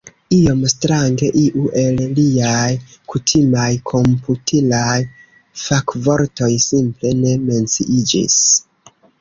Iom strange iu el liaj kutimaj komputilaj fakvortoj simple ne menciiĝis.